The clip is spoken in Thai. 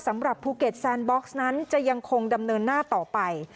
สำหรับภูเก็ตแซนบ็อกซ์นั้นจะยังคงดำเนินหน้าต่อไป